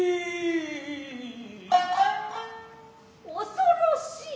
恐ろしい？